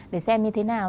để xem như thế nào